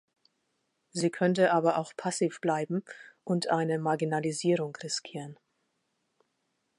Sie könnte aber auch passiv bleiben und eine Marginalisierung riskieren.